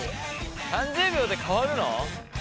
３０秒で変わるの？